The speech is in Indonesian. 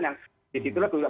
yang di situ juga